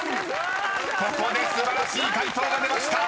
［ここで素晴らしい解答が出ました］